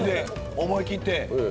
思い切って。